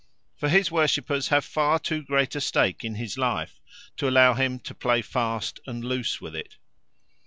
For his worshippers have far too great a stake in his life to allow him to play fast and loose with it.